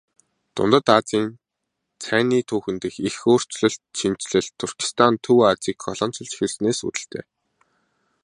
Дундад Азийн цайны түүхэн дэх их өөрчлөн шинэчлэлт Туркестан Төв Азийг колоничилж эхэлснээс үүдэлтэй.